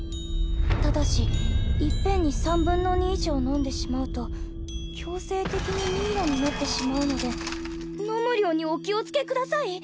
ただしいっぺんに３分の２以上飲んでしまうと強制的にミイラになってしまうので飲む量にお気をつけください」！？